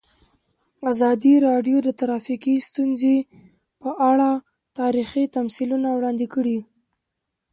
ازادي راډیو د ټرافیکي ستونزې په اړه تاریخي تمثیلونه وړاندې کړي.